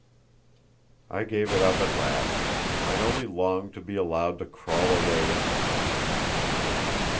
I gave it up at last; I only longed to be allowed to crawl away under something!